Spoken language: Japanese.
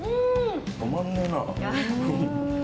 とまんねえな。